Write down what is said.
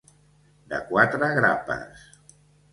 De quatre grapes.